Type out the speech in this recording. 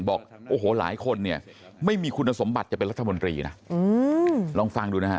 บอกโอ้โหหลายคนเนี่ยไม่มีคุณสมบัติจะเป็นรัฐมนตรีนะลองฟังดูนะฮะ